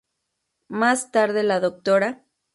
Más tarde, la Dra.